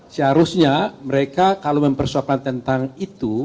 seharusnya mereka kalau mempersiapkan tentang itu